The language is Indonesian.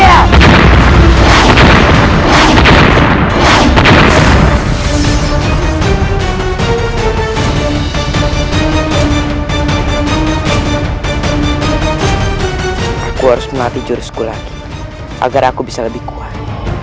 aku harus melatih jurusku lagi agar aku bisa lebih kuat